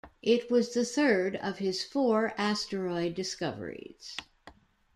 It was the third of his four asteroid discoveries.